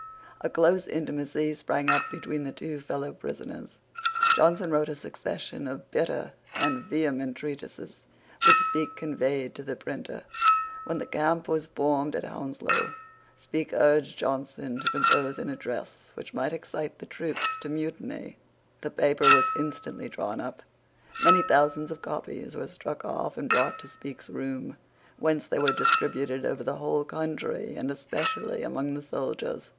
A close intimacy sprang up between the two fellow prisoners. Johnson wrote a succession of bitter and vehement treatises which Speke conveyed to the printer. When the camp was formed at Hounslow, Speke urged Johnson to compose an address which might excite the troops to mutiny. The paper was instantly drawn up. Many thousands of copies were struck off and brought to Speke's room, whence they were distributed over the whole country, and especially among the soldiers.